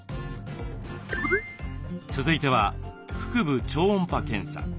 続いては腹部超音波検査。